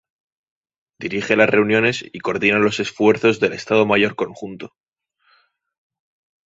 Dirige las reuniones y coordina los esfuerzos del Estado Mayor Conjunto.